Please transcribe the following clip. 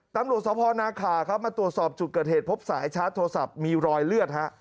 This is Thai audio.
ตำรวจสพนาขาครับมาตรวจสอบจุดเกิดเหตุพบสายชาร์จโทรศัพท์มีรอยเลือดฮะ